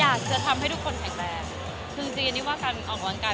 อยากจะทำให้ทุกคนแข็งแรงคือจริงจริงอันนี้ว่าการออกกำลังกาย